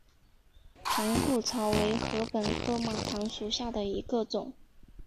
盘固草为禾本科马唐属下的一个种。